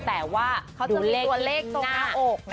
แต่ว่าเขาจะเห็นตัวเลขตรงหน้าอกนะ